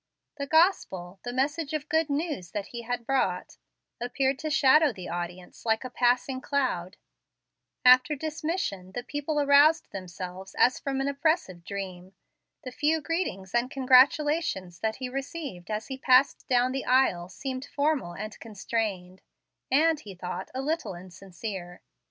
The Gospel the message of good news that he had brought appeared to shadow the audience like a passing cloud. After dismission, the people aroused themselves as from an oppressive dream. The few greetings and congratulations that he received as he passed down the aisle seemed formal and constrained, and, he thought, a little insincere.